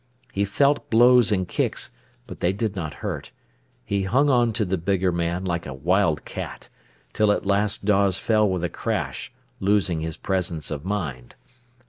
He felt blows and kicks, but they did not hurt. He hung on to the bigger man like a wild cat, till at last Dawes fell with a crash, losing his presence of mind.